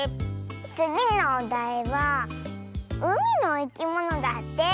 つぎのおだいは「うみのいきもの」だって！